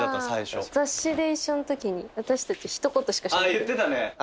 あっ言ってたね。